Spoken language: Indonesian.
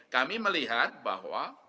kami melihat bahwa